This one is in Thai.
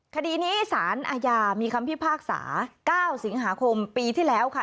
คดีนี้สารอาญามีคำพิพากษา๙สิงหาคมปีที่แล้วค่ะ